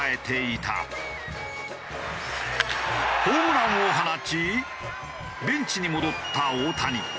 ホームランを放ちベンチに戻った大谷。